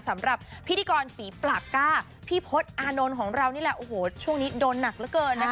สำหรับพิธีกรฝีปากก้าพี่พศอานนท์ของเรานี่แหละโอ้โหช่วงนี้โดนหนักเหลือเกินนะคะ